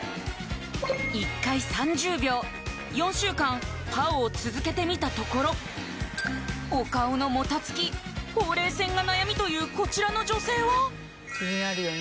１回３０秒４週間ＰＡＯを続けてみたところお顔のもたつきほうれい線が悩みというこちらの女性は気になるよね